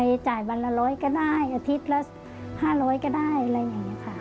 จ่ายวันละ๑๐๐ก็ได้อาทิตย์ละ๕๐๐ก็ได้อะไรอย่างนี้ค่ะ